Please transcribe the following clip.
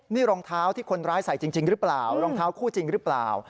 นี่รองเท้าที่คนร้ายใส่จริงหรือเปล่ารองเท้าคู่จริงหรือเปล่า